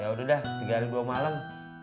ya udah dah tiga hari dua malem